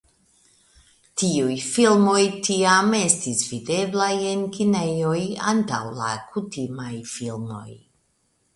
Tiu filmoj tiam estis videblaj en kinejoj antaŭ la kutimaj filmoj.